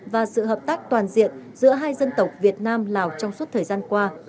và sự hợp tác toàn diện giữa hai dân tộc việt nam lào trong suốt thời gian qua